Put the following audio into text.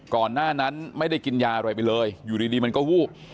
ก่อนหน้านั้นไม่ได้กินยาอะไรไปเลยอยู่ดีมันก็วูบ